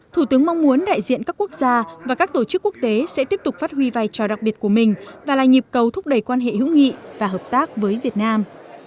thủ tướng mong muốn đại diện các quốc gia và các tổ chức quốc tế sẽ tiếp tục phát huy vai trò đặc biệt của mình và là nhịp cầu thúc đẩy quan hệ hữu nghị và hợp tác với việt nam